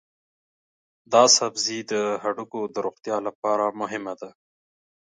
دا سبزی د هډوکو د روغتیا لپاره مهم دی.